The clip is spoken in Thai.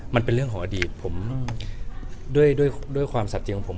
มันเป็นเรื่องของอดีตผมด้วยความสับเสียงของผม